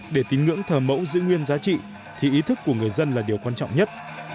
để tín ngưỡng thờ mẫu giữ nguyên giá trị thì ý thức của người dân là điều quan trọng nhất